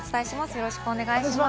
よろしくお願いします。